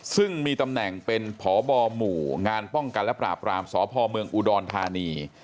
ซึ่งมีตำแหน่งเป็นพบหมู่งานป้องกันและปราบรามสพเมืองอุดรธานี